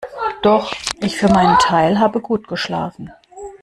Doch, ich für meinen Teil, habe gut geschlafen.